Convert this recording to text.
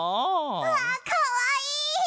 うわかわいい！